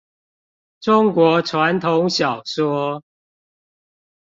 中國傳統小說